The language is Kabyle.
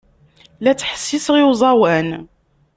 La ttḥessiseɣ i uẓawan.